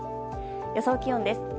予想気温です。